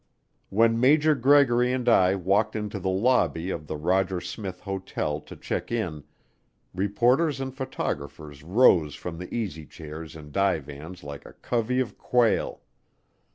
When Major Gregory and I walked into the lobby of the Roger Smith Hotel to check in, reporters and photographers rose from the easy chairs and divans like a covey of quail.